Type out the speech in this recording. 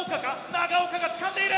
長岡がつかんでいる！